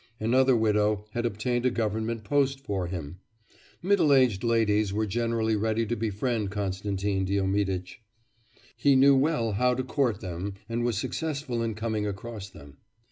Another widow had obtained a government post for him. Middle aged ladies were generally ready to befriend Konstantin Diomiditch; he knew well how to court them and was successful in coming across them.